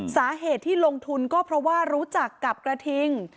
สาเหตุที่ลงทุนก็เพราะว่ารู้จักกับกระทิง